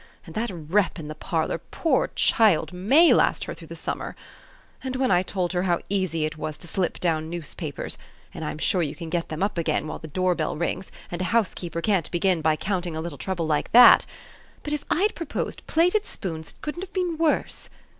And that rep in the parlor, poor child, may last her through the summer. And when I told her how easy it was to slip down newspapers and I'm sure you can get them up again while the door bell rings, and a housekeeper can't begin by counting a little trouble like that but if I'd proposed plated spoons it couldn't have been worse.